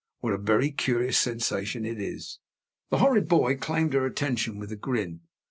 What a very curious sensation it is! The horrid boy claimed her attention with a grin.